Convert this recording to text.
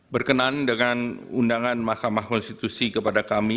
berkenan dengan undangan mahkamah konstitusi